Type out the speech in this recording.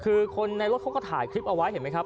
คือคนในรถเขาก็ถ่ายคลิปเอาไว้เห็นไหมครับ